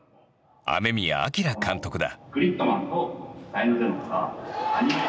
雨宮哲監督だ。